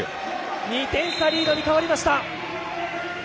２点差リードに変わりました。